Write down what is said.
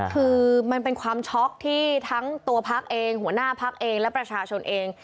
คือมันเป็นความช็อกที่ทั้งตัวพักเองหัวหน้าพักเองและประชาชนเอง